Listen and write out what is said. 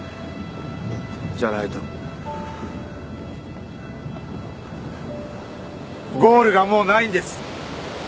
じゃないとゴールがもうないんです。